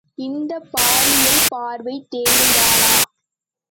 இந்தப் பாலியல் பார்வை தேவைதானா?